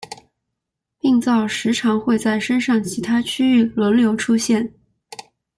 病灶时常会在身上其他区域轮流出现。